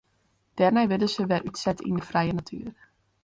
Dêrnei wurde se wer útset yn de frije natuer.